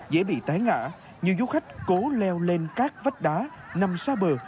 dễ bị tái ngã nhiều du khách cố leo lên các vách đá nằm xa bờ